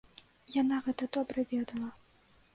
Яна гэта добра ведала.